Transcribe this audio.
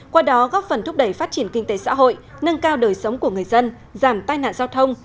qua đó góp phần thúc đẩy phát triển kinh tế xã hội nâng cao đời sống của người dân giảm tai nạn giao thông